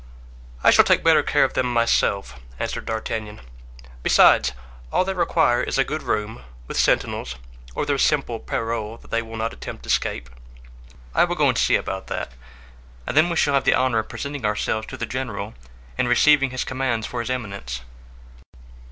"I shall take better care of them myself," answered D'Artagnan; "besides, all they require is a good room, with sentinels, or their simple parole that they will not attempt escape. I will go and see about that, and then we shall have the honor of presenting ourselves to the general and receiving his commands for his eminence."